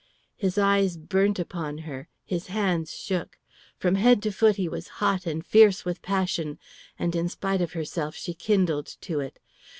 His eyes burnt upon her; his hands shook; from head to foot he was hot and fierce with passion, and in spite of herself she kindled to it.